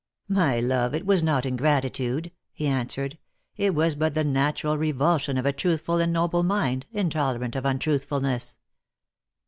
" My love, it was not ingratitude," he answered ;" it was but the natural revulsion of a truthful and noble mind, intolerant of untruthfulness."